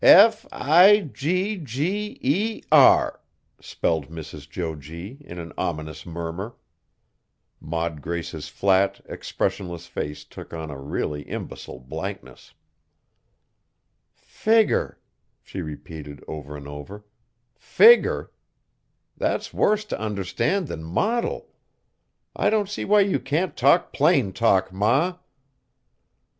"F i g g e r!" spelled Mrs. Jo G. in an ominous murmur. Maud Grace's flat, expressionless face took on a really imbecile blankness. "Figger!" she repeated over and over. "Figger! That's worse t' understand than modil. I don't see why you can't talk plain talk, Ma!"